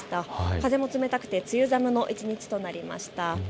風も冷たくて梅雨寒の一日となりました。